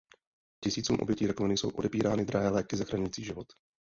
Tisícům obětí rakoviny jsou odepírány drahé léky zachraňující život.